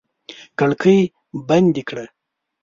کړکۍ بندې کړه!